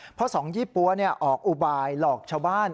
เพราะสองยี่ปั๊วออกอุบายหลอกชาวบ้าน